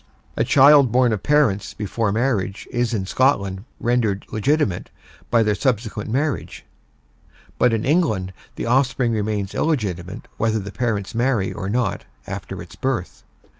A child born of parents before marriage is in Scotland rendered legitimate by their subsequent marriage, but in England the offspring remains illegitimate whether the parents marry or not after its birth.